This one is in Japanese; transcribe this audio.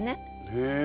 へえ！